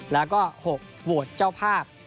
แล้วก็๖โหวตเจ้าภาพ